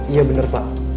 iya bener pak